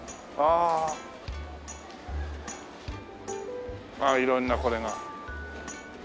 あっ色んなこれが。